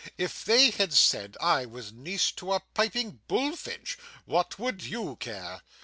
If they had said I was niece to a piping bullfinch, what would you care?